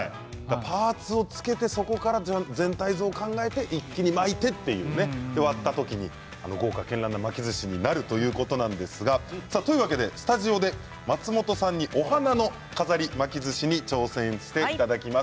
パーツを付けてそこから全体像を考えて一気に巻いて巻き終わった時に豪華けんらんな巻きずしになるということなんですがスタジオで松本さんにお花の飾り巻きずしに挑戦していただきます。